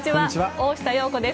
大下容子です。